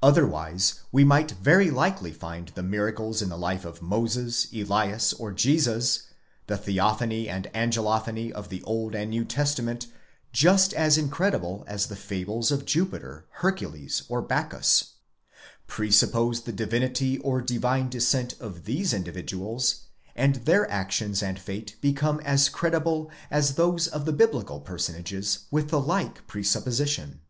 Otherwise, we might very likely find the miracles in the life of Moses, Elias, or Jesus, the Theophany and Angelophany of the Old and New Testament, just as incredible as the fables of Jupiter, Hercules, or Bacchus: presuppose the divinity or divine descent of these individuals, and their actions and fate become as credible as those of the biblical person ages with the like presupposition.